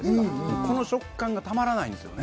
この食感がたまらないです。